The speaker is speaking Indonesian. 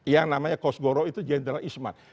yang namanya kosgoro itu jenderal ismat